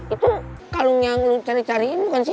itu kalung yang lu cari cariin bukan sih